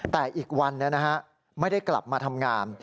แต่อีกวันไม่ได้กลับมาทำงาน